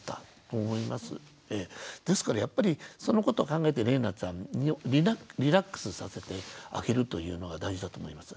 ですからやっぱりそのことを考えてれいなちゃんにリラックスさせてあげるというのが大事だと思います。